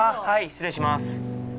失礼します。